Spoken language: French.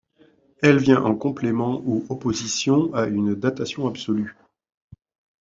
Elle vient en complément ou opposition à une datation absolue.